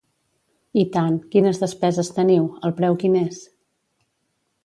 I tant, quines despeses teniu, el preu quin és?